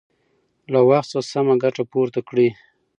له وخت څخه سمه ګټه پورته کړئ.